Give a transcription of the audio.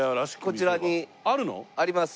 こちらにあります。